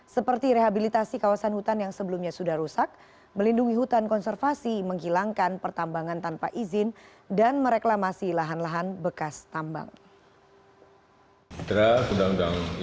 seperti rehabilitasi kawasan hutan yang sebelumnya sudah rusak melindungi hutan konservasi menghilangkan pertambangan tanpa izin dan mereklamasi lahan lahan bekas tambang